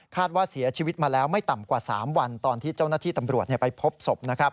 ว่าเสียชีวิตมาแล้วไม่ต่ำกว่า๓วันตอนที่เจ้าหน้าที่ตำรวจไปพบศพ